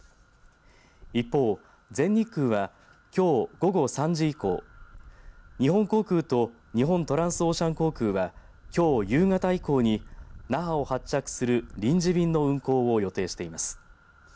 一方、全日空はきょう午後３時以降日本航空と日本トランスオーシャン航空はきょう夕方以降に那覇を発着する臨時便の運航を予定しています。